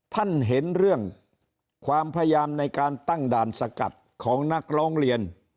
ท่านเห็นเรื่องความพยายามในการตั้งด่านสกัดของนักร้องเรียน